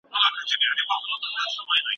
هر ژوندي شی به مرګ څکي.